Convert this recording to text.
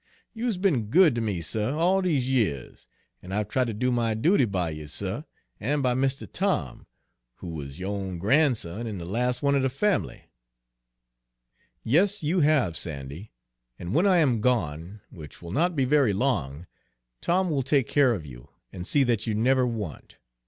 You is be'n good ter me, suh, all dese years, an' I've tried ter do my duty by you, suh, an' by Mistuh Tom, who wuz yo' own gran'son, an' de las' one er de fam'ly." "Yes, you have, Sandy, and when I am gone, which will not be very long, Tom will take care of you, and see that you never want.